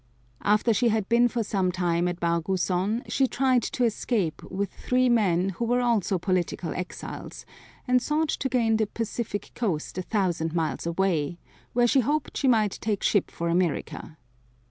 After she had been for some time at Barguzon she tried to escape with three men who were also political exiles, and sought to gain the Pacific coast a thousand miles away, where she hoped she might take ship for America.